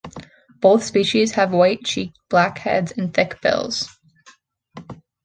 Both species have white-cheeked black heads and thick bills.